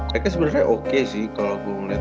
mereka sebenernya oke sih kalau gue ngeliat